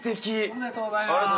ありがとうございます。